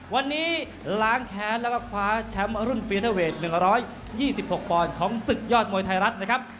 วันนี้ล้างแค้นแล้วก็คว้าแชมป์รุ่นปีเตอร์เวท๑๒๖ปอนด์ของศึกยอดมวยไทยรัฐนะครับ